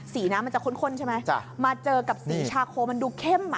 สีน้ำมันจะข้นใช่ไหมมาเจอกับสีชาโคมันดูเข้มอ่ะ